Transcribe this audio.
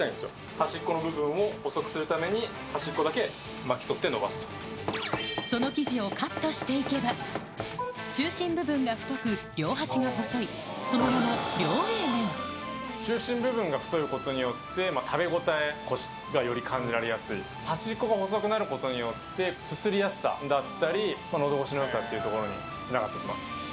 端っこの部分を細くするために、その生地をカットしていけば、中心部分が太く、両端が細い、中心部分が太いことによって、食べ応え、こしがより感じられやすい、端っこが細くなることによってすすりやすさだったり、のどごしのよさというところに、つながっていきます。